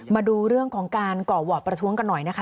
มาดูเรื่องของการก่อวอร์ดประท้วงกันหน่อยนะคะ